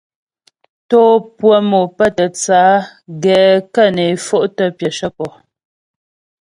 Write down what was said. Tò pʉə̀ mò pə́ tə tsə á gɛ kə́ né fo'tə pyəshə pɔ.